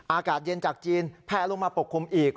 อากาศเย็นจากจีนแพลลงมาปกคลุมอีก